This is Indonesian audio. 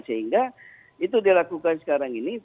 sehingga itu dilakukan sekarang ini